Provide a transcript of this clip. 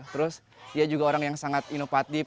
terus dia juga orang yang sangat inovatif